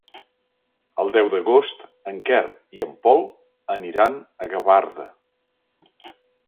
El deu d'agost en Quer i en Pol aniran a Gavarda.